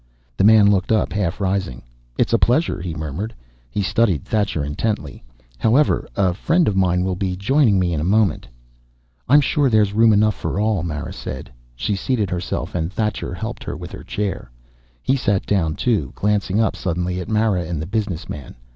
The man looked up, half rising. "It's a pleasure," he murmured. He studied Thacher intently. "However, a friend of mine will be joining me in a moment." "I'm sure there's room enough for us all," Mara said. She seated herself and Thacher helped her with her chair. He sat down, too, glancing up suddenly at Mara and the business man.